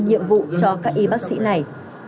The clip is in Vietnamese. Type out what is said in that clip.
nhiệm vụ cho các y bác sĩ này